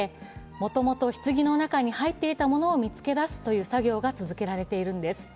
もともとひつぎの中に入っていたものを見つけ出すという作業が続けられているんです。